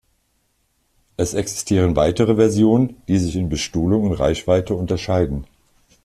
Es existieren weitere Versionen, die sich in Bestuhlung und Reichweite unterscheiden.